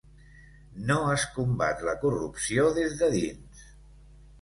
No es combat la corrupció des de dins.